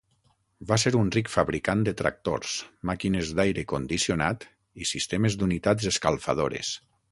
Va ser un ric fabricant de tractors, màquines d'aire condicionat i sistemes d'unitats escalfadores.